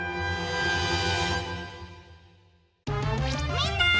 みんな！